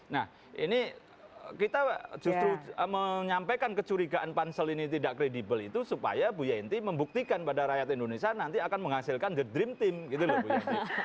nah ini kita justru menyampaikan kecurigaan pansel ini tidak kredibel itu supaya bu yenty membuktikan pada rakyat indonesia nanti akan menghasilkan the dream team gitu loh bu yenty